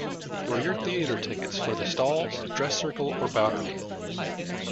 Were your theatre tickets for the stalls, dress circle or balcony?